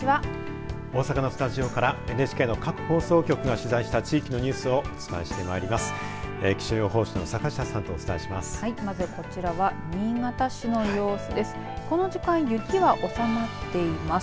大阪のスタジオからＮＨＫの各放送局が取材した地域のニュースをお伝えしてまいります。